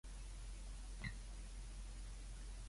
買雞洗唔洗自備袋？